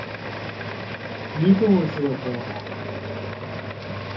一肚子火